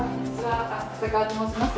浅川と申します。